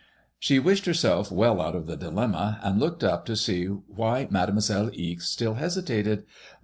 She wished herself well out of the dilemma, and looked up to see why Mademoiselle Ixe still hesitated.